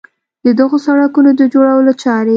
د دغو سړکونو د جوړولو چارې